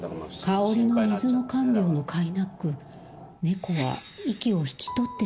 香織の寝ずの看病のかいなく猫は息を引き取ってしまいました